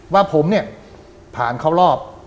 ว่าผมเนี่ยผ่านเข้ารอบ